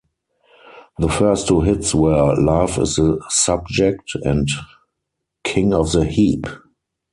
The first two hits were "Love is the Subject" and "King of the Heap".